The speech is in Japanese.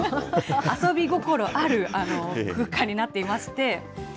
遊び心ある空間になっていまして。